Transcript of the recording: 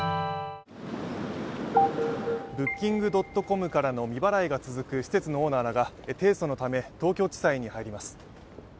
ブッキングドットコムからの未払いが続く施設のオーナーらが提訴のため、東京地裁に入ります。